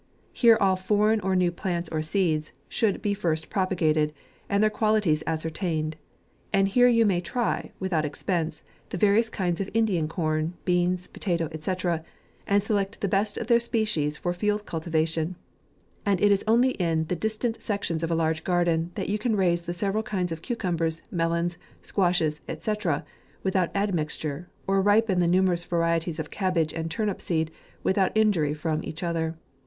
Here all foreign or new plants or seeds should be first propagated, and their qualities ascertained ; and here you may try, without expense, the yarious kinds of Indian com, beans, potatoes, &c. and select the best of their species for field cultivation, and it is only in the distant sec tions of a large garden, that you can raise the several kinds of cucumbers, melons, squash es, &c. without admixture, or ripen the nu merous varieties of cabbage and turnip seed, without injury from each othor.